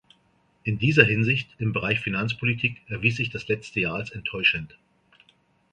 In dieser Hinsicht, im Bereich der Finanzpolitik, erwies sich das letzte Jahr als enttäuschend.